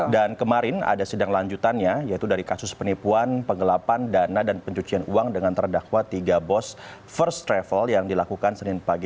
dan kemarin ada sidang lanjutannya yaitu dari kasus penipuan penggelapan dana dan pencucian uang dengan terdakwa tiga bos first travel yang dilakukan senin pagi